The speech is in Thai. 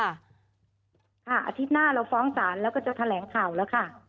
อาทิตย์หน้าเราฟ้องศาลแล้วก็จะแถลงข่าวแล้วค่ะ